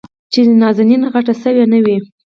چې نازنين غټه شوې نه وي.